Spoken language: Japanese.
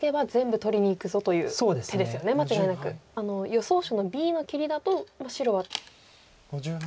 予想手のＢの切りだと白は。